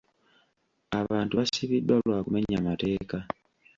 Abantu basibiddwa lwa kumenya mateeka.